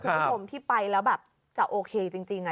คุณผู้ชมที่ไปแล้วแบบจะโอเคจริง